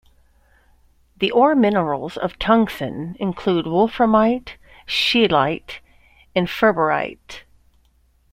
The ore minerals of tungsten include wolframite, scheelite, and ferberite.